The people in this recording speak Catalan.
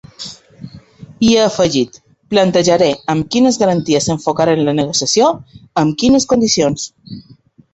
I ha afegit: Plantejaré amb quines garanties enfocarem la negociació, amb quines condicions.